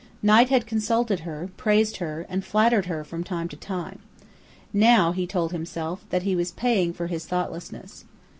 Knight had consulted her, praised her, and flattered her from time to time. Now he told himself that he was paying for his thoughtlessness.